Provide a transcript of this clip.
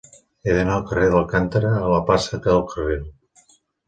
He d'anar del carrer d'Alcántara a la plaça del Carril.